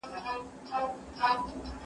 شپه د پرخي په قدم تر غېږي راغلې